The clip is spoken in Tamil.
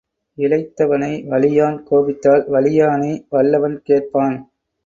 இளைத்தவனை வலியான் கோபித்தால் வலியானை வல்லவன் கேட்பான்.